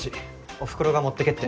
おふくろが持ってけって。